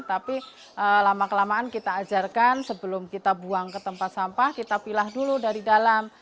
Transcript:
tapi lama kelamaan kita ajarkan sebelum kita buang ke tempat sampah kita pilah dulu dari dalam